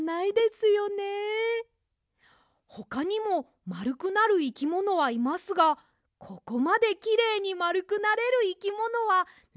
ほかにもまるくなるいきものはいますがここまできれいにまるくなれるいきものはなかなかいません！